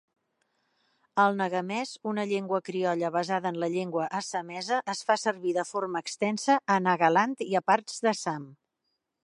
El nagamès, una llengua criolla basada en la llengua Assamesa es fa servir de forma extensa a Nagaland i a parts d'Assam.